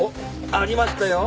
ありましたよ。